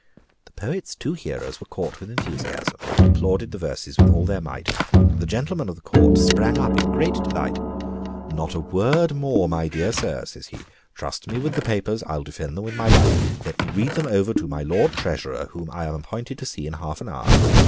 The poet's two hearers were caught with enthusiasm, and applauded the verses with all their might. The gentleman of the Court sprang up in great delight. "Not a word more, my dear sir," says he. "Trust me with the papers I'll defend them with my life. Let me read them over to my Lord Treasurer, whom I am appointed to see in half an hour.